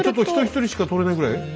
ちょっと人１人しか通れないぐらい？